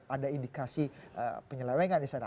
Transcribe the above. ada indikasi penyelewengan di sana